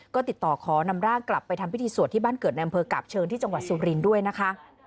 ก็ติดต่อคอนำร่าคกลับไปทำพิธีสวดที่บ้านเกิดในอำเภอกาบเชืองด้วยนะคะ